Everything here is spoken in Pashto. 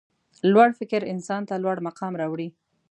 لوړ فکر انسان ته لوړ مقام راوړي.